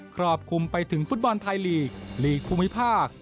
ครอบคลุมไปถึงฟุตบอลไทยลีกลีกภูมิภาค